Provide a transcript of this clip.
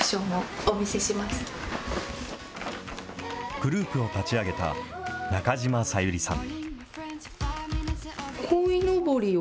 グループを立ち上げた中島小百合さん。